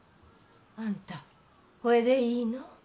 あんたほれでいいの？